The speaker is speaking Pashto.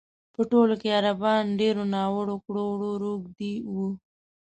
په ټول کې عربان ډېرو ناوړه کړو وړو روږ دي وو.